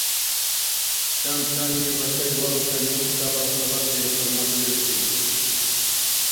Шантани ва сай валутани илала халаси хӀурмат бирусири.